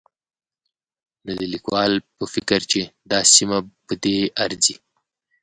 نو د ليکوال په فکر چې دا سيمه په دې ارځي